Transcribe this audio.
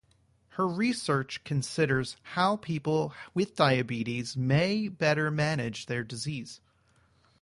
Her research considers how people with diabetes may better manage their disease.